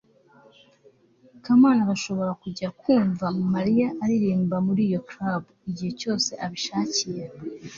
kamana arashobora kujya kumva mariya aririmba muri iyo club igihe cyose abishakiye